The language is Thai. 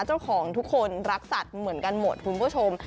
เจ้าของทุกคนรักสัตว์เหมือนกันหมดคุณผู้ชม